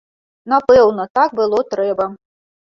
Напэўна, так было трэба.